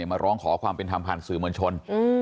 มาร้องขอความเป็นธรรมภัณฑ์สื่อเมือนชน